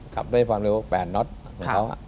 ขับด้วยความเร็ว๘น็อตของเขา